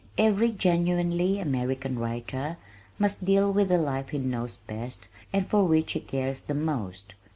Every genuinely American writer must deal with the life he knows best and for which he cares the most.